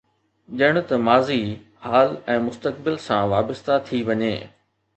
ڄڻ ته ماضي، حال ۽ مستقبل سان وابسته ٿي وڃي.